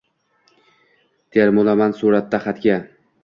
Termulaman suratda xatga…